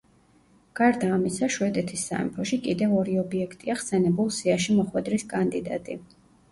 გარდა ამისა, შვედეთის სამეფოში კიდევ ორი ობიექტია ხსენებულ სიაში მოხვედრის კანდიდატი.